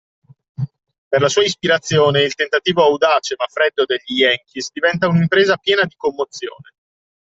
Per la sua ispirazione il tentativo audace ma freddo degli yankees diventa un’impresa piena di commozione